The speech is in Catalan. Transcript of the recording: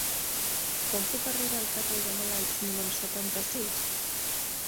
Com puc arribar al carrer de Malats número setanta-sis?